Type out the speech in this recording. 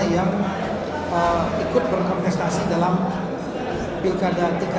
yang ikut berkontestasi dalam bkd tingkat satu maupun tingkat dua